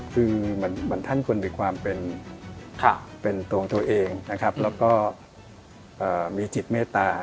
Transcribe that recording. เครื่องธรรมค์คือท่านคนเป็นตัวเองแล้วก็มีจิตเมตตา